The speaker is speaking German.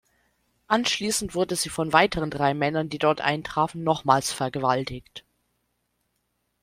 Anschließend wurde sie von weiteren drei Männern, die dort eintrafen, nochmals vergewaltigt.